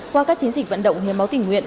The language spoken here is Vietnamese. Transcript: qua các chiến dịch vận động hiến máu tỉnh nguyện